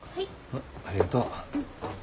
うんありがとう。